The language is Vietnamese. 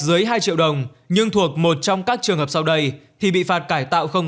dưới hai triệu đồng nhưng thuộc một trong các trường hợp sau đây thì bị phạt cải tạo không